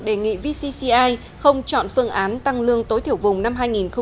đề nghị vcci không chọn phương án tăng lương tối thiểu vùng năm hai nghìn hai mươi